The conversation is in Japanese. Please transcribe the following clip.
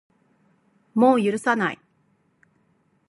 もう許さない